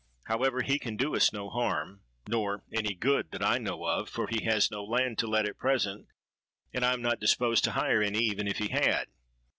However, he can do us no harm—nor any good, that I know of; for he has no land to let at present, and I am not disposed to hire any even if he had.'